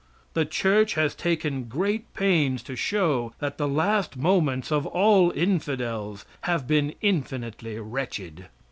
The church has taken great pains to show that the last moments of all infidels have been infinitely wretched.